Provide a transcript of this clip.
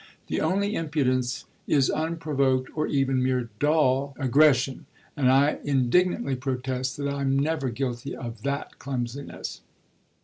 The only impudence is unprovoked, or even mere dull, aggression, and I indignantly protest that I'm never guilty of that clumsiness.